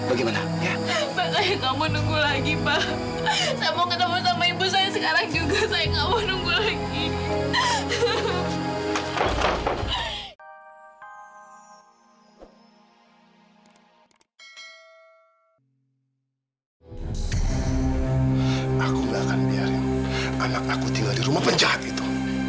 aku nggak akan biarin anak aku tinggal di rumah penjahat itu